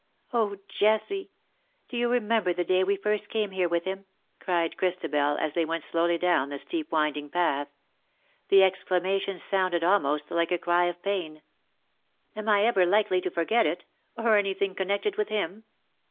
'^ Oh ! Jessie, do you remember the day we first came here with him?" cried Christabel, as they went slowly down the steep winding path. The exclamation sounded almost like a cry of pain. '^ Am I ever likely to forget it — or anything connected with him